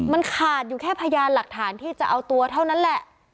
มันขาดอยู่แค่พยานหลักฐานที่จะเอาตัวเท่านั้นแหละ